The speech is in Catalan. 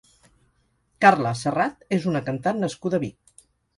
Carla Serrat és una cantant nascuda a Vic.